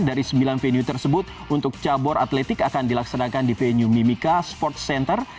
dari sembilan venue tersebut untuk cabur atletik akan dilaksanakan di venue mimika sports center